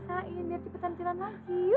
karena ini emang cepet nunggu